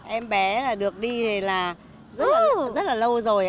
em bé được đi là rất là lâu rồi